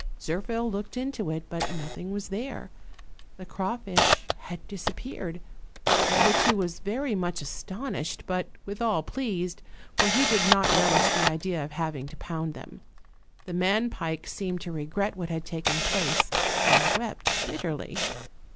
Zirphil looked into it, but nothing was there; the craw fish had disappeared, at which he was very much as tonished, but withal pleased: for he did not relish the idea of having to pound them. The man pike seemed to regret what had taken place, and wept bitterly.